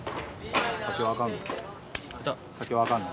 酒はあかんの？